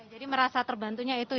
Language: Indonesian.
jadi merasa terbantunya itu ya